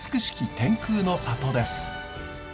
天空の里です。